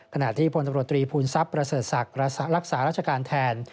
ขณะที่ผลตำรวจตรีภูนทรัพย์รักษารัชการแทน